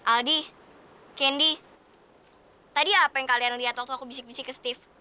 aldi kendi tadi apa yang kalian lihat waktu aku bisik bisik ke steve